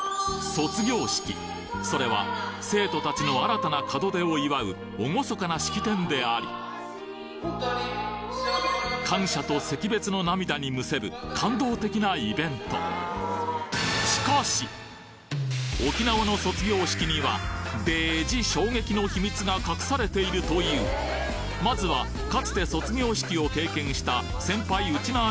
それは生徒達の新たな門出を祝う厳かな式典であり感謝と惜別の涙にむせぶ感動的なイベントでじ衝撃の秘密が隠されているというまずはかつて卒業式を経験した先輩ウチナー